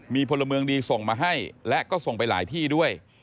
มีพลเมืองดีส่งมาให้และก็ส่งไปหลายที่ด้วย